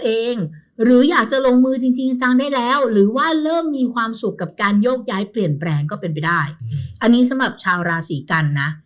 หรืออยากจะลงมือจริงจริงจังได้แล้วหรือว่าเริ่มมีความสุขกับการโยกย้ายเปลี่ยนแปลงก็เป็นไปได้อันนี้สำหรับชาวราศีกันนะ